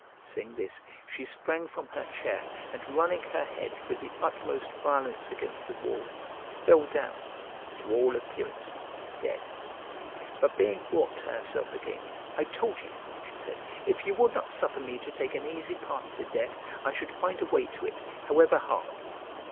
Saying this, she sprang from her chair, and running her head with the utmost violence against the wall, fell down, to all appearance, dead; but being brought to herself again, "I told you," she said, "if you would not suffer me to take an easy path to death, I should find a way to it, however hard."